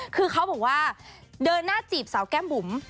คือเขาบอกว่าเดินหน้าจีบสาวแก้มบุ๋ม